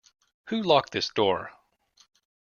Who locked this door?